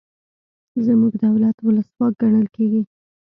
زموږ دولت ولسواک ګڼل کیږي.